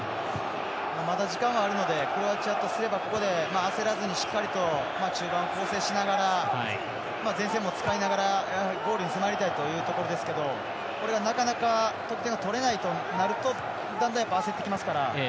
まだ時間はあるのでクロアチアとしてはここは焦らずに中盤を構成しながら前線も使いながらゴールに迫りたいというところですけどこれが、なかなか得点を取れないとなるとだんだん焦ってきますから。